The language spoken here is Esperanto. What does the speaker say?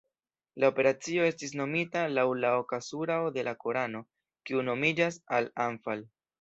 La operacio estis nomita laŭ la oka surao de la korano, kiu nomiĝas "Al-Anfal".